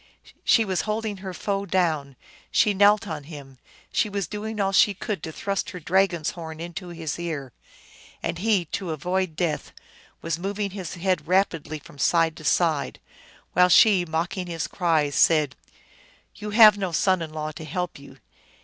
She was holding her foe down, she knelt on him, she was doing all she could to thrust her dragon s horn into his ear. And he, to avoid death, was mov ing his head rapidly from side to side, while she, mocking his cries, said, " You have no son in law to help you."